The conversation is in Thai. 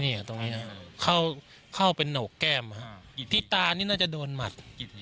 เนี่ยตรงนี้เนี่ยเข้าเป็นโหนกแก้มครับที่ตานี่น่าจะโดนหมัด